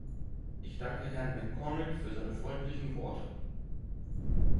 Ich danke Herrn MacCormick für seine freundlichen Worte.